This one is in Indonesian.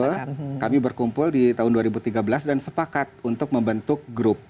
betul kami berkumpul di tahun dua ribu tiga belas dan sepakat untuk membentuk grup